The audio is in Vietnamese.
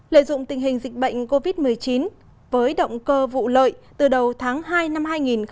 lợi dụng tình hình dịch bệnh covid một mươi chín với động cơ vụ lợi từ đầu tháng hai năm hai nghìn hai mươi